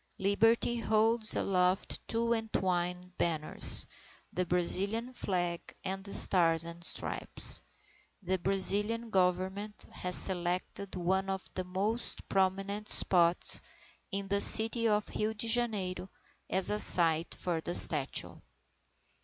Liberty holds aloft two entwined banners, the Brazilian Flag and the Stars and Stripes. The Brazilian Government has selected one of the most prominent spots in the city of Rio Janeiro, as a site for the statue.